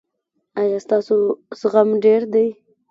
ایا ستاسو زغم ډیر دی؟